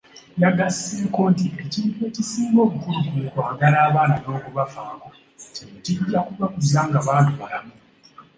Yagasseeko nti ekintu ekisinga obukulu kwe kwagala abaana n'okubafaako, kino kijja kubakuza nga bantubalamu.